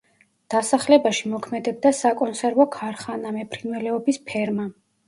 დასახლებაში მოქმედებდა საკონსერვო ქარხანა, მეფრინველეობის ფერმა.